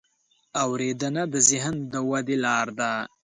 اورېدنه د ذهن د ودې لاره ده.